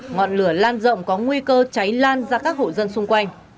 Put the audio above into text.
ngọn lửa lan rộng có nguy cơ cháy lan ra các hộ dân xung quanh